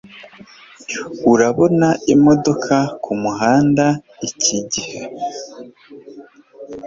Urabona imodoka kumuhanda ikigihe?